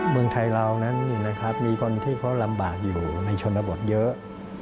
เมืองไทยเรานั้นมีคนที่เขาลำบากอยู่ในชนบทเยอะ